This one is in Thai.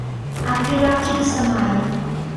อภิลักขิตสมัย